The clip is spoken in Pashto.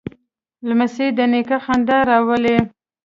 لمسی د نیکه خندا راولي.